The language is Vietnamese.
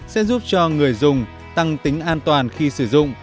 sẽ giúp cho người dùng tăng tính an toàn khi sử dụng